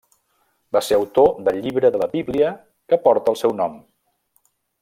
Va ser autor del llibre de la Bíblia que porta el seu nom.